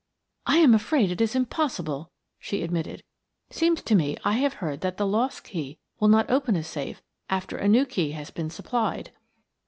"I am afraid it is impossible," she admitted. "Seems to me I have heard that the lost key will not open a safe after a new key has been supplied."